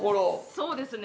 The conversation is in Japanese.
そうですね。